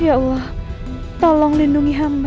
ya allah tolong lindungi hamba